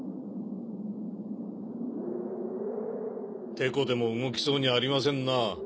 テコでも動きそうにありませんな。